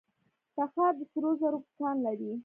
تخار د سرو زرو کان لري